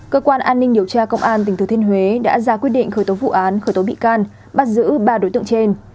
cơ quan an ninh điều tra công an tỉnh thừa thiên huế đã ra quyết định khởi tố vụ án khởi tố bị can bắt giữ ba đối tượng trên